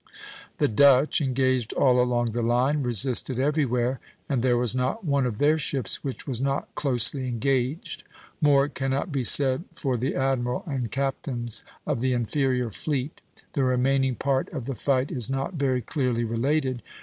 The Dutch, engaged all along the line, resisted everywhere, and there was not one of their ships which was not closely engaged; more cannot be said for the admiral and captains of the inferior fleet. The remaining part of the fight is not very clearly related.